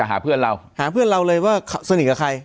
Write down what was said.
หาเพื่อนเราเลยว่าสนิทกับใคร